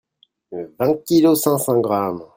Vingt kilos cinq cents grammes.